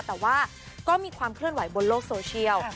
แต่ว่าก็มีความเคลื่อนไหวบนโลกโซเชียล